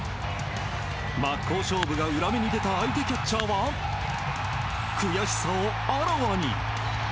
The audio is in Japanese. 真っ向勝負が裏目に出た相手キャッチャーは悔しさをあらわに。